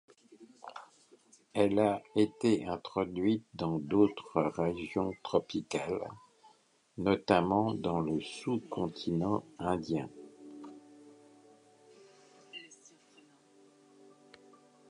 Elle a été introduite dans d'autres régions tropicales, notamment dans le sous-continent indien.